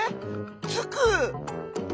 つく。